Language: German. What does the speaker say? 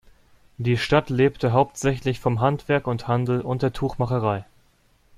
Die Stadt lebte hauptsächlich vom Handwerk und Handel und der Tuchmacherei.